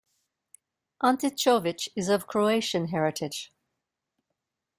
Ante Covic is of Croatian heritage.